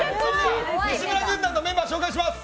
西村軍団のメンバー、紹介します。